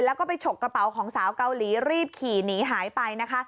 แล้วก็ไปฉกกระเป๋าของสาวเกาหลีรีบขี่หนีหายไปนะคะ